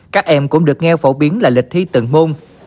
các em cũng được nghe phổ biến là lịch thi từng môn